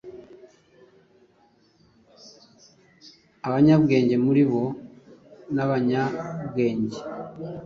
Th abanyabwenge muri bo nabanyabwenge